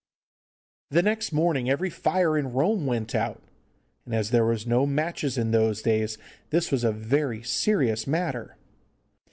The next morning every fire in Rome went out, and as there were no matches in those days this was a very serious matter.